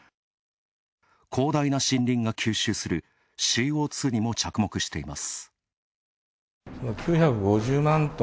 広大な森林が吸収するＣＯ２にも着目しています。